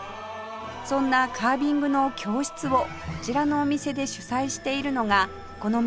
そんなカービングの教室をこちらのお店で主催しているのがこの道